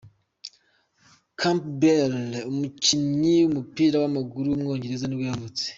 Campbell, umukinnyi w’umupira w’amaguru w’umwongereza nibwo yavutse.